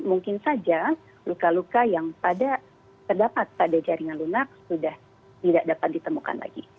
mungkin saja luka luka yang terdapat pada jaringan lunak sudah tidak dapat ditemukan lagi